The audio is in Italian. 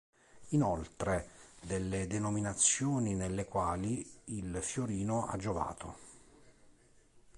Inoltre delle denominazioni nelle quali il fiorino ha giovato.